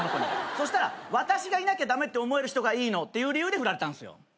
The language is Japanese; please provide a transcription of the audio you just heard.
そしたら私がいなきゃ駄目って思える人がいいのっていう理由で振られたんすよ。